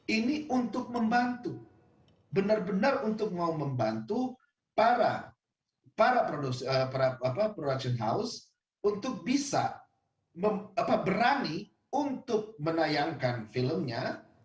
ini untuk membantu benar benar untuk mau membantu para production house untuk bisa berani untuk menayangkan filmnya